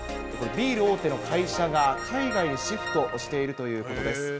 ビール大手の会社が海外にシフトしているということです。